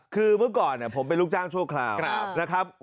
คือเมื่อก่อนผมเป็นลูกจ้างชั่วคราวนะครับ